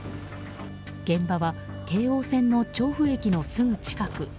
現場は京王線の調布駅のすぐ近く。